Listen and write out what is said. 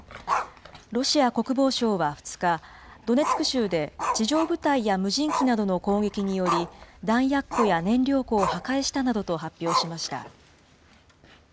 ロシア国防省は２日、ドネツク州で地上部隊や無人機などの攻撃により、弾薬庫や燃料庫を破壊したなどと発表しました。